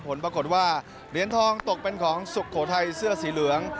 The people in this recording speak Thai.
ผลปรากฏว่าเหรียญทองตกเป็นของสุโขทัยเสื้อสีเหลือง